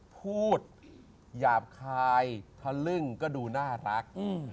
พูดหยาบคายทะลึ่งก็ดูน่ารัก